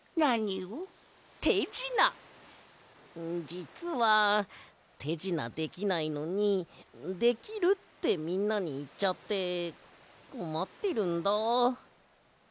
じつはてじなできないのに「できる」ってみんなにいっちゃってこまってるんだ。